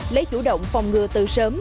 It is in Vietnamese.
lấy chủ động phòng ngừa từ sớm